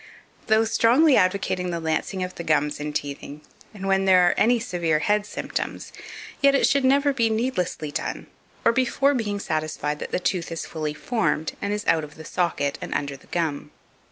Though strongly advocating the lancing of the gums in teething, and when there are any severe head symptoms, yet it should never be needlessly done, or before being satisfied that the tooth is fully formed, and is out of the socket, and under the gum.